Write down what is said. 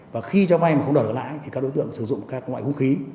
và khi cho vay mà không đỡ lỡ lãi thì các đối tượng sử dụng các loại khung khí